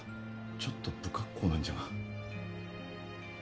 ちょっと不格好なんじゃが。